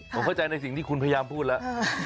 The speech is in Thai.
ผมเข้าใจในสิ่งที่คุณพยายามพูดแล้ว